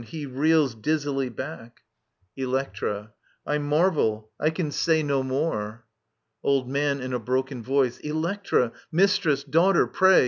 He reels Dizzily back. Electra. I marvel. I can say No more. Old Man (in a broken voice). Electra, mistress, daughter, pray